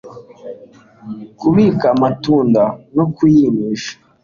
Kubika Amatunda no Kuyumisha